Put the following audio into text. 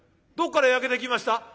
どっから焼けてきました？」。